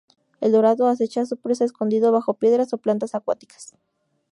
El dorado acecha a su presa escondido bajo piedras o plantas acuáticas.